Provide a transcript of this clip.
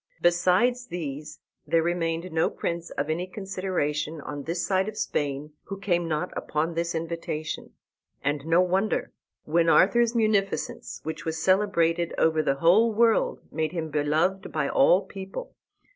Besides these there remained no prince of any consideration on this side of Spain who came not upon this invitation. And no wonder, when Arthur's munificence, which was celebrated over the whole world, made him beloved by all people.